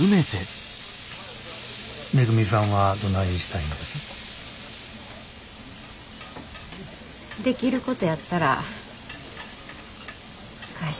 めぐみさんはどないしたいんです？できることやったら会社続けたいて思てます。